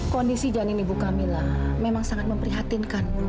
kondisi janin ibu camilla memang sangat memprihatinkan